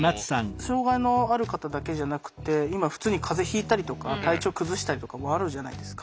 障害のある方だけじゃなくて今普通に風邪ひいたりとか体調崩したりとかもあるじゃないですか。